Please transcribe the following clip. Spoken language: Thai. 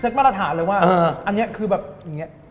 เซ็ทประธานเลยว่าอันนี้คือแบบอย่างเงี้ย